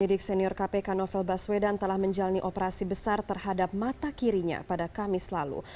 penyidik senior kpk novel baswedan telah menjalani operasi besar terhadap mata kirinya pada kamis lalu